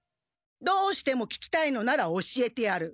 どうしても聞きたいのなら教えてやる。